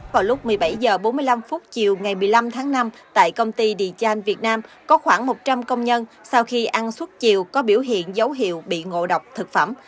vào lúc một mươi bảy h bốn mươi năm chiều ngày một mươi năm tháng năm tại công ty đê trang việt nam có khoảng một trăm linh công nhân sau khi ăn suốt chiều có biểu hiện dấu hiệu bị ngộ độc thực phẩm